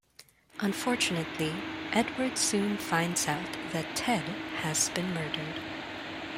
Unfortunately, Edward soon finds out that Ted has been murdered.